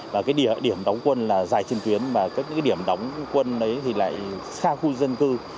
và cái điểm đóng quân là dài trên tuyến và cái điểm đóng quân ấy thì lại xa khu dân cư